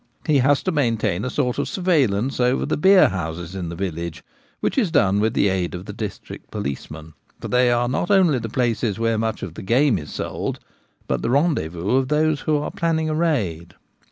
He has to maintain a sort of surveillance over the beer houses in the village, which is done with the aid of the district policeman, for they are not only the places where much of the game is sold; but the rendezvous of those who are planning a raid.